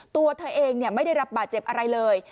ตัวเธอเองไม่ได้รับบาดเจ็บอะไรเลย